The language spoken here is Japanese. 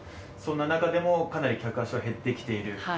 そんな中でもかなり客足は減ってきている。